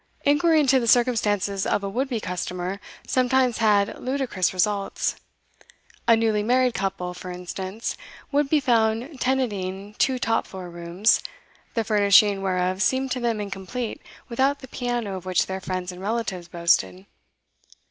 Inquiry into the circumstances of a would be customer sometimes had ludicrous results; a newly married couple, for instance, would be found tenanting two top floor rooms, the furnishing whereof seemed to them incomplete without the piano of which their friends and relatives boasted.